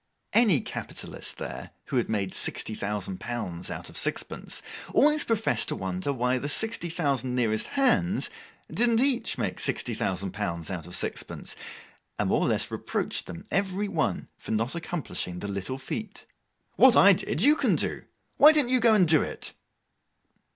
Any capitalist there, who had made sixty thousand pounds out of sixpence, always professed to wonder why the sixty thousand nearest Hands didn't each make sixty thousand pounds out of sixpence, and more or less reproached them every one for not accomplishing the little feat. What I did you can do. Why don't you go and do it?